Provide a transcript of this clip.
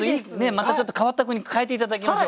またちょっと変わった句に変えて頂きましょう。